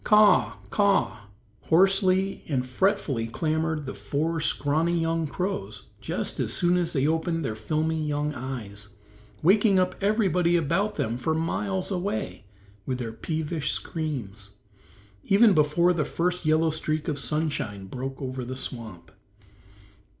"Caw r r, caw r r," hoarsely and fretfully clamored the four scrawny young crows just as soon as they opened their filmy young eyes, waking up everybody about them for miles away with their peevish screams, even before the first yellow streak of sunshine broke over the swamp.